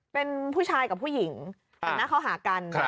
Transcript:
เป็นผู้ชายกับผู้หญิงแต่งหน้าเข้าหากัน